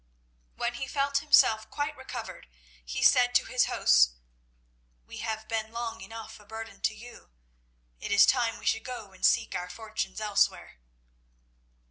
When he felt himself quite recovered, he said to his hosts "We have been long enough a burden to you. It is time we should go and seek our fortunes elsewhere."